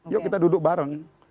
yuk kita duduk bareng